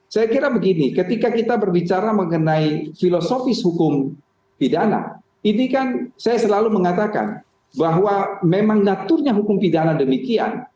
saya kira begini ketika kita berbicara mengenai filosofis hukum pidana ini kan saya selalu mengatakan bahwa memang naturnya hukum pidana demikian